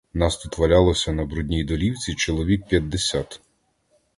Нас тут валялося на брудній долівці чоловік п'ятдесят.